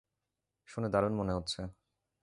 শুনে দারুণ মনে হচ্ছে।